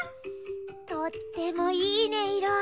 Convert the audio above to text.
とってもいいねいろ。